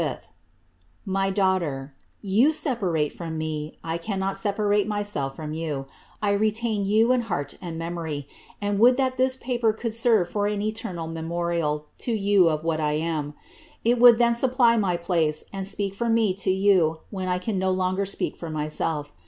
My daughter, You separata ftora me, I cannot separate mjself from ym, I retain jon in heart and memory, and would that this paper could serre for an eternal memo rial to you of what I am ; it would then supply my place, and speak for me to yon, when I can no longer speak for myself.